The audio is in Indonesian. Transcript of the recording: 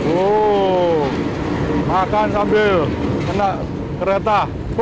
wow makan sambil kena kereta